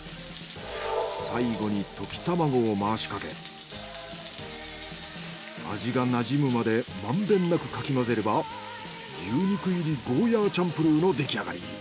最後に溶き卵を回しかけ味が馴染むまでまんべんなくかき混ぜれば牛肉入りゴーヤーチャンプルーの出来上がり。